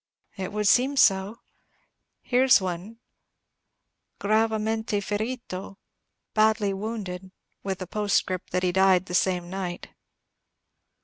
"It would seem so. Here 's one: 'Gravamente ferito,' badly wounded; with a postscript that he died the same night."